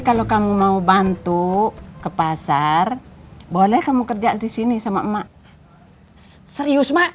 kalau kamu mau bantu ke pasar boleh kamu kerja di sini sama emak serius mak